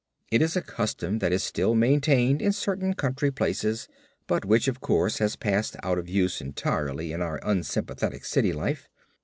It is a custom that is still maintained in certain country places but which of course has passed out of use entirely in our unsympathetic city life.